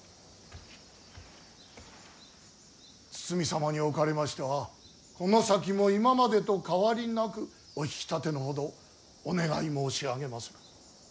堤様におかれましてはこの先も今までと変わりなくお引き立てのほどお願い申し上げまする。